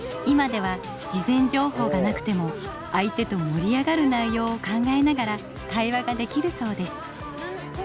今では事前情報がなくても相手と盛り上がる内容を考えながら会話ができるそうです。